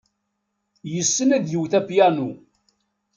Yessen ad iwet apyanu.